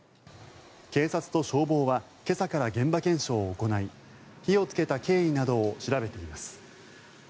警察と消防は今朝から現場検証を行い火をつけた経緯などを調べています。